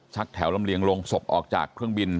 แถวลำเลียงลงศพออกจากเครื่องบิน